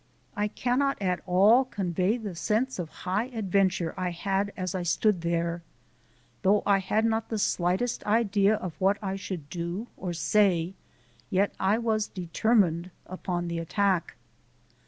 I cannot at all convey the sense of high adventure I had as I stood there. Though I had not the slightest idea of what I should do or say, yet I was determined upon the attack.